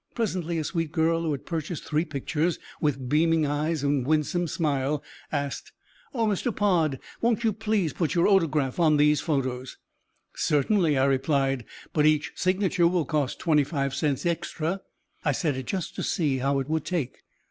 Presently a sweet girl who had purchased three pictures, with beaming eyes and a winsome smile, asked, "Oh, Mr. Pod, won't you please put your autograph on these photos?" "Certainly," I replied, "but each signature will cost twenty five cents extra." I said it, just to see how it would take.